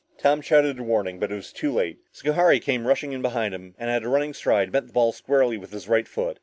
Tom shouted a warning but it was too late. Schohari came rushing in behind him, and at running stride, met the ball squarely with his right foot.